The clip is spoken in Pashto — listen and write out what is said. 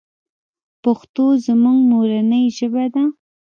پښتو زموږ مورنۍ ژبه ده.